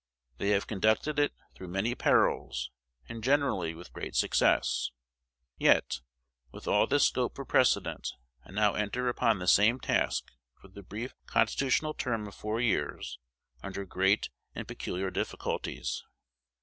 They have conducted it through many perils, and generally with great success. Yet, with all this scope for precedent, I now enter upon the same task, for the brief constitutional term of four years, under great and peculiar difficulties.